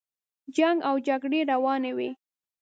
جنګ او جګړې روانې وې.